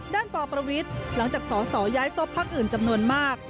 ด้านปรประวิทธิ์หลังจากสอสอย้ายศพภักดิ์อื่นจำนวนมาก